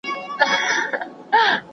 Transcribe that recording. خلګو په پرمختیايي پروژو کي کار کاوه.